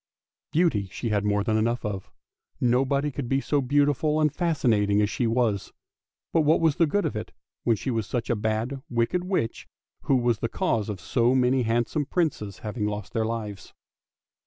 Beauty she had more than enough of; nobody could be so beautiful and fascinating as she was, but what was the good of it when she was such a bad, wicked witch, who was the cause of so many handsome Princes having lost their lives.